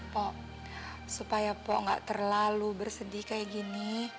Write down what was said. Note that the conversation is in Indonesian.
pok supaya pok gak terlalu bersedih kayak gini